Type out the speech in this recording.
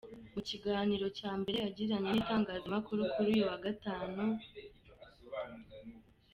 Mu kiganiro cya mbere yagiranye n’itangazamakuru kuri uyu wa Gatanu, Rtd Brig.